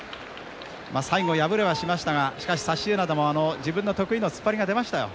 最後、敗れはしましたがしかし薩洲洋も自分の得意の突っ張りが出ましたよ。